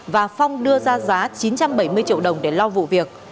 và phong đưa ra giá chín trăm bảy mươi triệu đồng để lo vụ việc